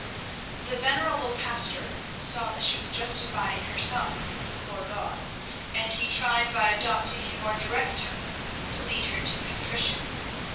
The venerable pastor saw that she was justifying herself before God, and he tried by adopting a more direct tone to lead her to contrition.